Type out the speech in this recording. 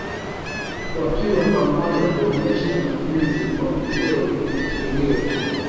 wakiwa pamoja Kuonyesha mapenzi kwa mkeo inachukuliwa